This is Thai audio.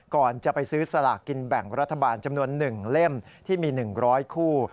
ก่อนจะไปซื้อสลากกินแบ่งรัฐบาลจำนวน๑เล่มที่มี๑๐๐คู่